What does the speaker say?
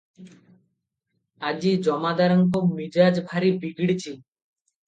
ଆଜି ଜମାଦାରଙ୍କ ମିଜାଜ ଭାରି ବିଗିଡ଼ିଛି ।